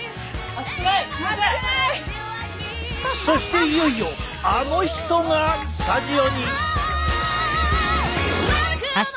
そしていよいよあの人がスタジオに！？